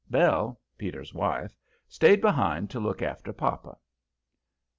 Belle Peter's wife stayed behind to look after papa.